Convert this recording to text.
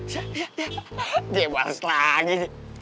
ya ya ya dia males lagi